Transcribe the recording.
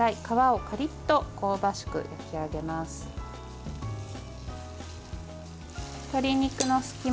皮をカリッと香ばしく焼き上げます。